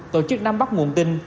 tổ chức nắm bắt nguồn tin